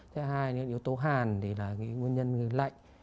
thế hai yếu tố hàn thì là nguyên nhân lạnh